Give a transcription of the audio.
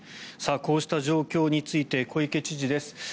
こうした状況について小池知事です。